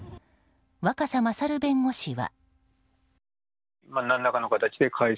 若狭勝弁護士は。